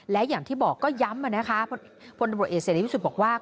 และอย่างที่บอกก็ย้ำนะคะ